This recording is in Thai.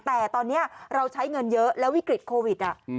แต่ตอนนี้เราใช้เงินเยอะแล้ววิกฤตโควิด